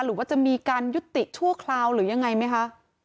หรือว่าจะมีการยุติชั่วคราวหรือยังไงไหมคะ